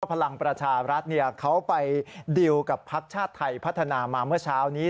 พลังประชารัฐเขาไปดีลกับพักชาติไทยพัฒนามาเมื่อเช้านี้